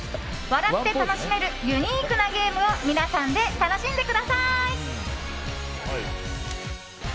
笑って楽しめるユニークなゲームを皆さんで楽しんでください。